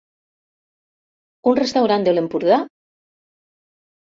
Un restaurant de l'Empordà?